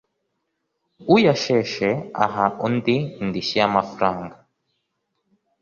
uyasheshe aha undi indishyi y amafaranga